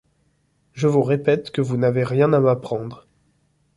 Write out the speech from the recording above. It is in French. Je vous répète que vous n’avez rien à m’apprendre.